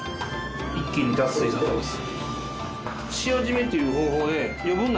一気に脱水させます。